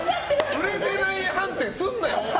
売れてない判定すんなよ。